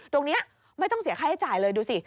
ตรงนี้ไม่ต้องเสียค่าใช้จ่ายเลยดูสิ